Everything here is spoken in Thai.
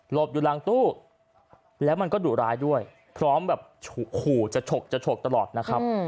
บอยู่หลังตู้แล้วมันก็ดุร้ายด้วยพร้อมแบบขู่จะฉกจะฉกตลอดนะครับ